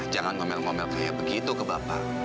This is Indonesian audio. jangan ngomel ngomel kayak begitu ke bapak